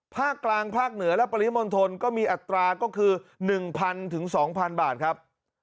ภาคกลางภาคเหนือและปริมณฑลก็มีอัตราก็คือ๑๐๐๒๐๐บาทครับ